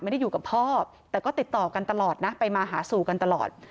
ไม่ได้อยู่กับพ่อแต่ก็ติดต่อกันตลอดนะไปมาหาสู่กันตลอด